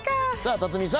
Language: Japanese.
辰巳さん